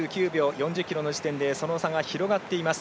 ４０ｋｍの時点でその差が広がっています。